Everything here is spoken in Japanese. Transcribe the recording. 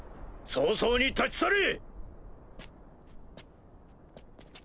早々に立ち去れ！